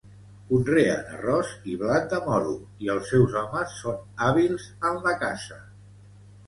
Conreen arròs i blat de moro, i els seus homes són hàbils en la caça.